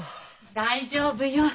大丈夫よ。